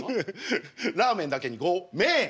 ラーメンだけにご「めん」！